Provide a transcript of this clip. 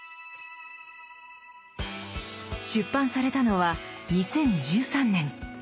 出版されたのは２０１３年。